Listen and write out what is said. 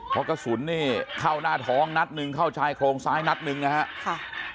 เพราะกระสุนนี่เข้าหน้าท้องนัดหนึ่งเข้าชายโครงซ้ายนัดหนึ่งนะครับ